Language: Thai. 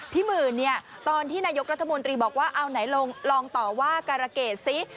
หมื่นเนี่ยตอนที่นายกรัฐมนตรีบอกว่าเอาไหนลองต่อว่าการะเกดซิ